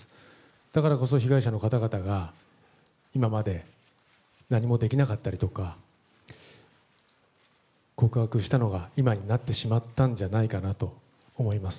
だからこそ被害者の方々が今まで何もできなかったりとか、告白したのが今になってしまったんじゃないかなと思います。